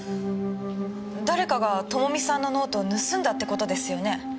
誰かが朋美さんのノートを盗んだってことですよね。